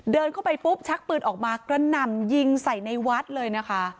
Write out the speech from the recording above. เดินเข้าไปปุ๊บชักปืนออกมากระหน่ำยิงใส่ในวัดเลยนะคะ